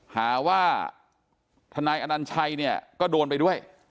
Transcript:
หาว่าทนายอนัญชัยเนี่ยก็โดนไปด้วย